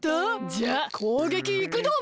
じゃあこうげきいくドン！